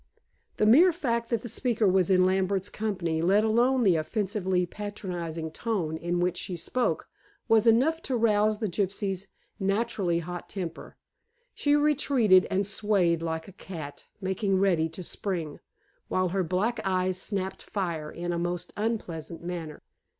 The mere fact that the speaker was in Lambert's company, let alone the offensively patronizing tone in which she spoke, was enough to rouse the gypsy girl's naturally hot temper. She retreated and swayed like a cat making ready to spring, while her black eyes snapped fire in a most unpleasant manner.